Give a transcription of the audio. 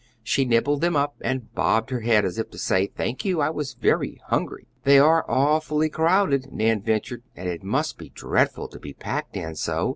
She nibbled them up and bobbed her head as if to say: "Thank you, I was very hungry." "They are awfully crowded," Nan ventured, "and it must be dreadful to be packed in so.